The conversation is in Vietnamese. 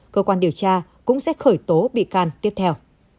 cơ quan điều tra cũng sẽ khởi tố bị can tiếp theo